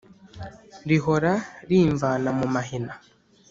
rihora rimvana mu mahina